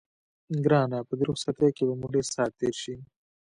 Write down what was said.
ګرانه په دې رخصتۍ کې به مو ډېر ساعت تېر شي.